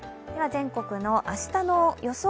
全国の明日の予想